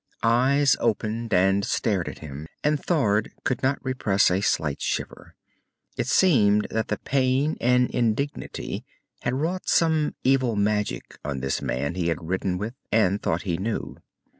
Eyes opened and stared at him, and Thord could not repress a slight shiver. It seemed that the pain and indignity had wrought some evil magic on this man he had ridden with, and thought he knew.